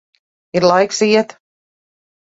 Ir laiks iet.